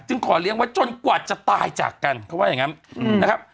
จึงขอเรียงว่าจนกว่าจะตายจากกันเขาว่าอย่างงี้นะครับ